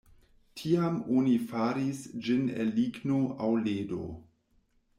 Tiam oni faris ĝin el ligno aŭ ledo.